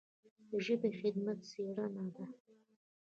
د ژبې خدمت څېړنه ده.